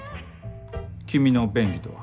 君の「便宜」とは？